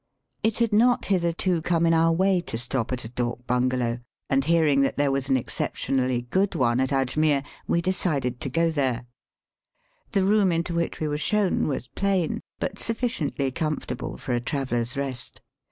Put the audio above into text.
It had not hitherto come in our way to stop at a dak bungalow, and hearing that there Digitized by VjOOQIC OUT OF THE HUBLY BURLT. 321 was an exceptionally good one at Ajmere, we decided to go there. The room into which we were shown was plain, hut suflSciently comfortahle for a traveller's rest.